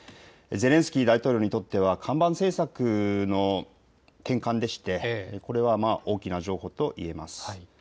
ゼレンスキー大統領にとっては看板政策の転換でしてこれは大きな譲歩といえます。